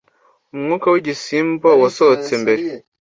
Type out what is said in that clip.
Umwuka wigisimba wasohotse mbere